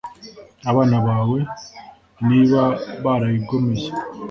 abana bawe, niba barayigomeye